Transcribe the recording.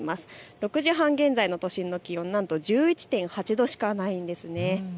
６時半現在の都心の気温、なんと１１．８度しかないんです。